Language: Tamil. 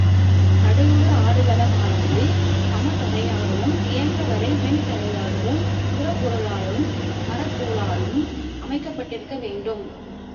சடுகுடு ஆடுகளமானது சம தரையாகவும், இயன்ற வரை மென்தரையாகவும், உரப்பொருளாலும், மரத்துளாலும் அமைக்கப்பட்டிருக்க வேண்டும்.